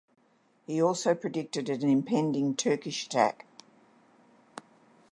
He also predicted an impending Turkish attack.